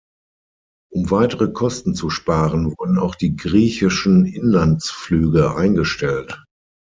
Um weitere Kosten zu sparen wurden auch die griechischen Inlandsflüge eingestellt.